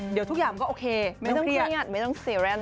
แต่ถึงอย่างมันก็โอเคไม่ต้องเครียด